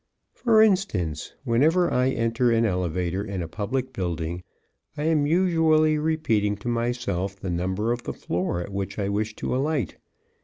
For instance, whenever I enter an elevator in a public building I am usually repeating to myself the number of the floor at which I wish to alight.